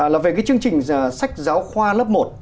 là về chương trình sách giáo khoa lớp một